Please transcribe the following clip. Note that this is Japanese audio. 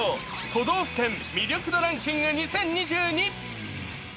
都道府県魅力度ランキング２０２２。